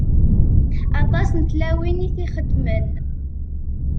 Aṭas n tlawin i t-ixeddmen.